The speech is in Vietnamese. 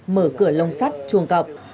mở cửa lông sắt chuồng cọp